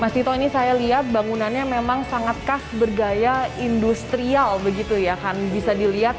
mas tito ini saya lihat bangunannya memang sangat khas bergaya industrial begitu ya kan bisa dilihat